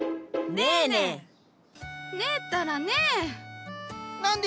ねえねえねえねえ。